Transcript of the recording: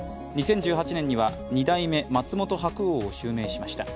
２０１８年には二代目松本白鸚を襲名しました。